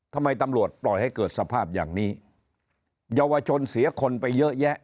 ทำไมตำรวจปล่อยให้เกิดสภาพอย่างนี้เยาวชนเสียคนไปเยอะแยะ